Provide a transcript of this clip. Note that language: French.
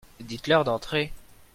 Dites-leurs d'entrer.